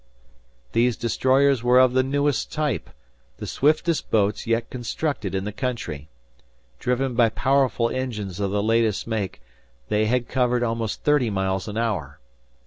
These destroyers were of the newest type, the swiftest boats yet constructed in the country. Driven by powerful engines of the latest make, they had covered almost thirty miles an hour.